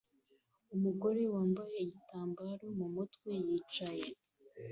Umugore wambaye igitambaro mumutwe yicaye